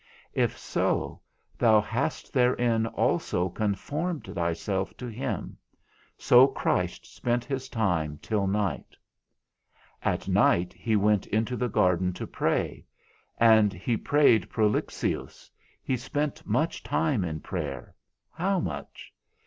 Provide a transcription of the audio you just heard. If so, thou hast therein also conformed thyself to him; so Christ spent his time till night. At night he went into the garden to pray, and he prayed prolixious, he spent much time in prayer, how much?